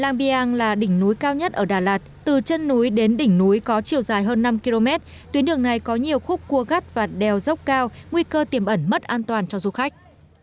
làng biàng là đỉnh núi cao nhất ở đà lạt từ chân núi đến đỉnh núi có chiều dài hơn năm km tuyến đường này có nhiều khúc cua gắt và đèo dốc cao nguy cơ tiềm ẩn mất an toàn cho du khách